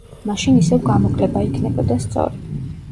მაშინ ისევ გამოკლება იქნებოდა სწორი.